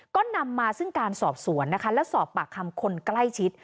ก็นำมาซึ่งการสอบสวนนะคะและสอบปากคำคนใกล้ชิด